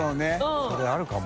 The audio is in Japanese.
それあるかも。